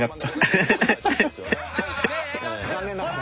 はい残念ながら。